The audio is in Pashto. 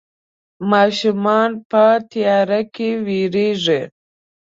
ماشومان په تياره کې ويرېږي.